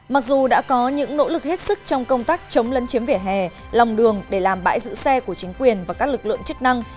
mặc dù đã có những nỗ lực hết sức trong công tác chống lấn chiếm vỉa hè lòng đường để làm bãi giữ xe của chính quyền và các lực lượng chức năng